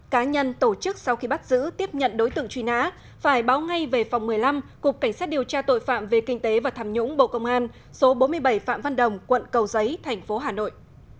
cá nhân tổ chức sau khi bắt giữ tiếp nhận đối tượng truy nã phải báo ngay về phòng một mươi năm cục cảnh sát điều tra tội phạm về kinh tế và tham nhũng bộ công an số bốn mươi bảy phạm văn đồng quận cầu giấy thành phố hà nội